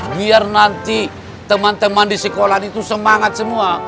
biar nanti teman teman di sekolah itu semangat semua